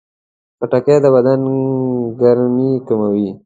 خټکی د بدن ګرمي کموي.